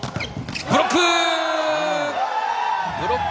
ブロック！